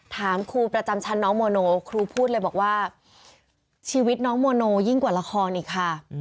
ถามครูประจำชั้นน้องโมโนครูพูดเลยบอกว่าชีวิตน้องโมโนยิ่งกว่าละครอีกค่ะ